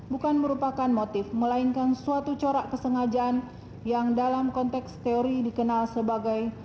bukan merupakan motif melainkan suatu corak kesengajaan yang dalam konteks teori dikenal sebagai